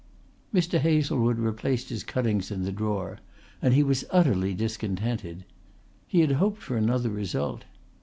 Mr. Hazlewood replaced his cuttings in the drawer; and he was utterly discontented. He had hoped for another result.